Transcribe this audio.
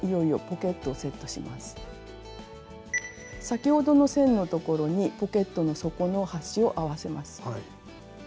先ほどの線の所にポケットの底の端を合わせます。